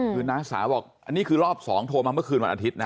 คือน้าสาวบอกอันนี้คือรอบ๒โทรมาเมื่อคืนวันอาทิตย์นะ